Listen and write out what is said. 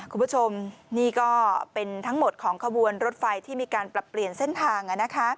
คุณผู้ชมนี่ก็เป็นทั้งหมดของขบวนรถไฟที่มีการปรับเปลี่ยนเส้นทาง